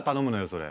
それ。